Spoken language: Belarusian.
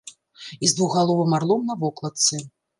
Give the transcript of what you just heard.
І з двухгаловым арлом на вокладцы.